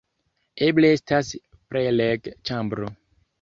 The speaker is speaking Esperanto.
Eble estas preleg-ĉambro